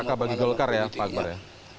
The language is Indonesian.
apakah bagi golkar ya pak akbar ya